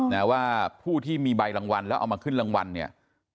นะว่าผู้ที่มีใบรางวัลแล้วเอามาขึ้นรางวัลเนี่ย